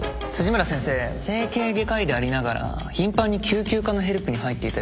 辻村先生整形外科医でありながら頻繁に救急科のヘルプに入っていたようですね。